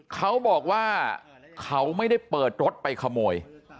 เขาบอกว่าเขาไม่ได้เปิดรถไปขโมย